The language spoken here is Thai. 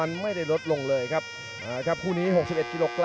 ในไทยท่าเตอร์